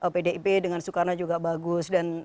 pdip dengan soekarno juga bagus dan